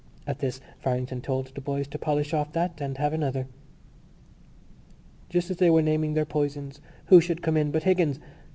At this Farrington told the boys to polish off that and have another. Just as they were naming their poisons who should come in but Higgins!